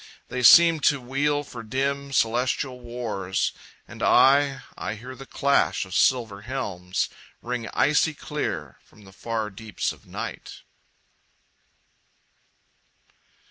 They seem to wheel for dim, celestial wars; And I I hear the clash of silver helms Ring icy clear from the far deeps of night.